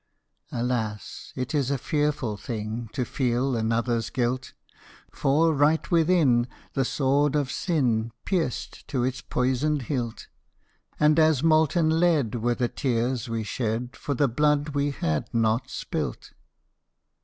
Alas! it is a fearful thing To feel anotherâs guilt! For, right within, the sword of Sin Pierced to its poisoned hilt, And as molten lead were the tears we shed For the blood we had not spilt.